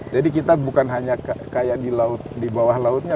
jadi kita bukan hanya kayak di bawah lautnya